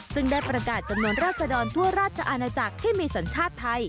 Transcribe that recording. ซึ่งได้ประกาศจำนวนราศดรทั่วราชอาณาจักรที่มีสัญชาติไทย